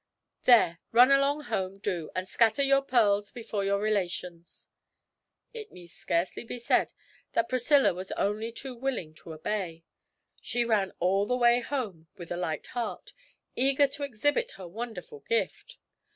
'There, run along home, do, and scatter your pearls before your relations.' It need scarcely be said that Priscilla was only too willing to obey; she ran all the way home with a light heart, eager to exhibit her wonderful gift.